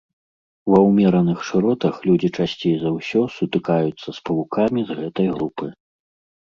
Ва ўмераных шыротах людзі часцей за ўсё сутыкаюцца з павукамі з гэтай групы.